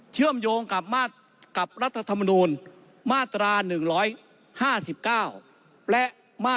เชื่อมโยงกับรัฐธรรมนูลมาตรา๑๕๙และ